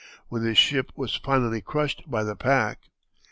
when the ship was finally crushed by the pack.